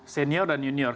senior dan junior